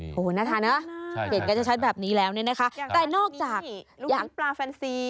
โอ้โหน่าทานนะเห็นกันชัดแบบนี้แล้วเนี่ยนะคะแต่นอกจากยางปลาแฟนซี